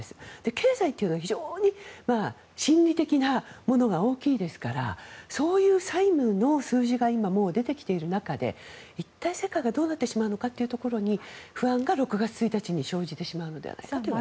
経済というのは非常に心理的なものが大きいですからそういう債務の数字が今、もう出てきている中で一体、世界がどうなってしまうのかというところに不安が６月１日に生じてしまうのではないかということです。